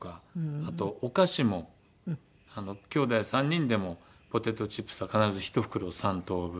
あとお菓子も兄弟３人でもポテトチップスは必ず１袋を３等分。